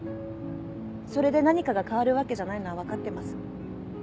それで何かが変わるわけじゃないのは分かってます。